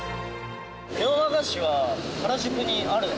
ネオ和菓子は原宿にあるんだ？